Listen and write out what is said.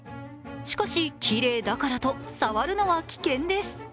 しかし、きれいだからと触るのは危険です。